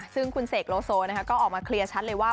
ซึ่งคุณเสกโลโซก็ออกมาเคลียร์ชัดเลยว่า